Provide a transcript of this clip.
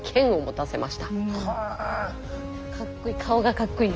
かっこいい。